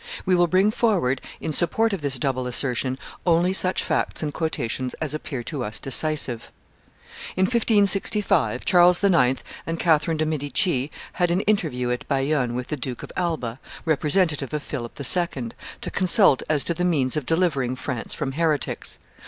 We will bring forward in support of this double assertion only such facts and quotations as appear to us decisive. In 1565, Charles IX. and Catherine de' Medici had an interview at Bayonne with the Duke of Alba, representative of Philip II., to consult as to the means of delivering France from heretics.